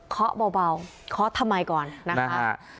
เคาะเบาเคาะทำไมก่อนนะฮะ